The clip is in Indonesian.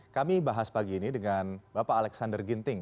kami bahas pagi ini dengan bapak alexander ginting